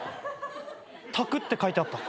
「炊く」って書いてあった。